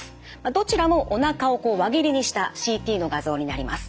どちらもおなかを輪切りにしたＣＴの画像になります。